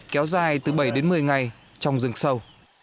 kéo dài từ bảy đến một mươi ngày trong rừng sâu